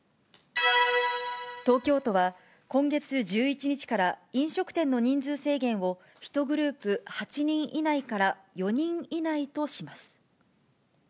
東京都は、今月１１日から、飲食店の人数制限を１グループ８人以内から４人以内とします。